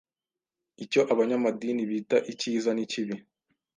icyo abanyamadini bita Icyiza n'ikibi.